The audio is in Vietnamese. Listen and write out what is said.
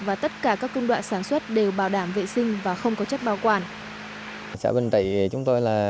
và tất cả các công đoạn sản xuất đều bảo đảm vệ sinh và không có chất bảo quản